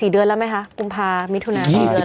๔เดือนแล้วมั้ยคะกุมภามิถุนาศาสตร์